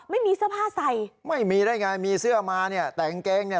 ไม่มีเสื้อผ้าใส่ไม่มีได้ไงมีเสื้อมาเนี่ยแต่กางเกงเนี่ย